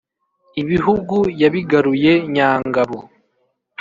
ibihugu yabigaruye nyangabo.